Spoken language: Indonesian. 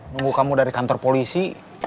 nunggu kamu dari kantor polisi